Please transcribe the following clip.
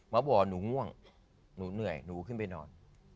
มาบอกหนูง่วงหนูเหนื่อยหนูขึ้นไปนอน